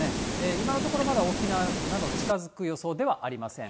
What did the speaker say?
今のところまだ沖縄など、近づく予想ではありません。